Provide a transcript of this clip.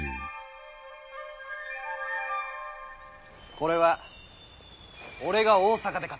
これは俺が大坂で買った